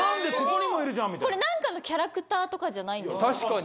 これなんかのキャラクターとかじゃないんですか？